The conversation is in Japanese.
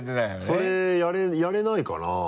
それやれないかな？